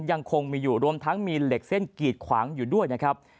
ยังคงมีอยู่รวมทั้งมีเหล็กเส้นกีดขวางอยู่ด้วยนะครับ